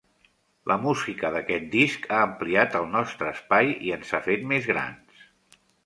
La música d'aquest disc ha ampliat el nostre espai i ens ha fet més grans.